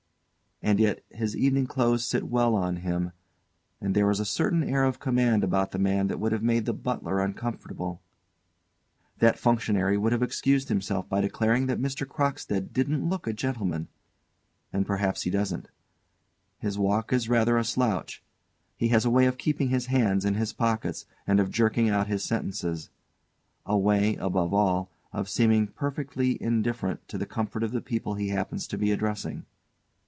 And yet his evening clothes sit well on him; and there is a certain air of command about the man that would have made the butler uncomfortable. That functionary would have excused himself by declaring that_ MR. CROCKSTEAD _didn't look a gentleman. And perhaps he doesn't. His walk is rather a slouch; he has a way of keeping his hands in his pockets, and of jerking out his sentences; a way, above all, of seeming perfectly indifferent to the comfort of the people he happens to be addressing.